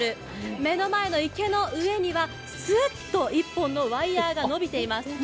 目の前の池の上にはすっと１本のワイヤーが延びています。